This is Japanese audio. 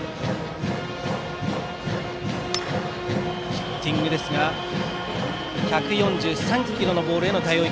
ヒッティングですが１４３キロのボールへの対応は